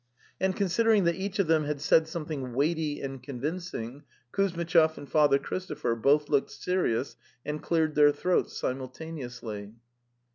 And considering that each of them had said some thing weighty and convincing, Kuzmitchov and Father Christopher both looked serious and cleared their throats simultaneously.